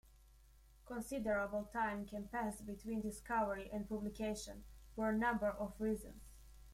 Considerable time can pass between discovery and publication, for a number of reasons.